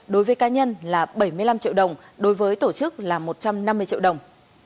đối với cá nhân là bảy mươi năm triệu đồng